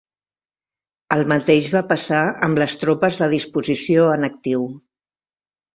El mateix va passar amb les tropes de disposició en actiu.